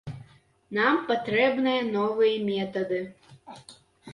Нам патрэбныя новыя метады.